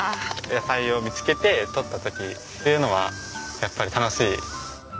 野菜を見つけてとった時っていうのはやっぱり楽しい。